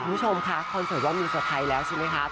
มุมชมค่ะคอนเสิร์ตว่ามีสุดท้ายแล้วใช่ไหมคะ